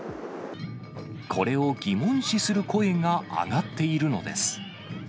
これを疑問視する声が上がっているのです。